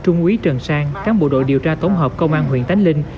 trung quy trần sang các bộ đội điều tra tổng hợp công an huyện tánh linh